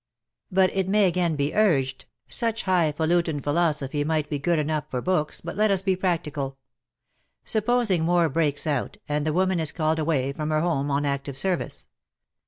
But, it may again be urged, such high falutin 15 t26 WAR AND WOMEN philosophy might be good enough for books, but let us be practical. Supposing war breaks out, and the woman is called away from her home on active service.